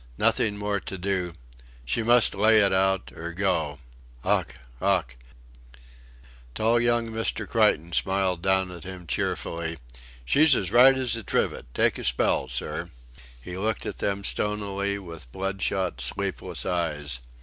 nothing more to do... she must lay it out or go. Ough! Ough!" Tall young Mr. Creighton smiled down at him cheerfully: "...She's as right as a trivet! Take a spell, sir." He looked at them stonily with bloodshot, sleepless eyes.